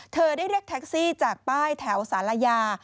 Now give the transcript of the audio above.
เธอได้เรียกแท็กซี่จากป้ายแถวสารยา